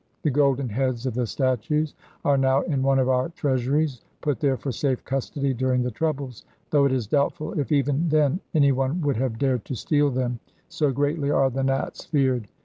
The golden heads of the statues are now in one of our treasuries, put there for safe custody during the troubles, though it is doubtful if even then anyone would have dared to steal them, so greatly are the Nats feared.